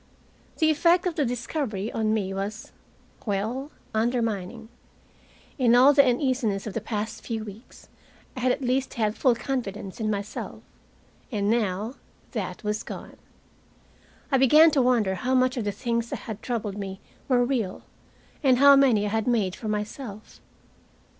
The effect of the discovery on me was well undermining. In all the uneasiness of the past few weeks I had at least had full confidence in myself. And now that was gone. I began to wonder how much of the things that had troubled me were real, and how many I had made for myself.